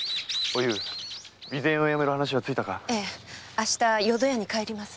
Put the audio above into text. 明日淀屋に帰ります。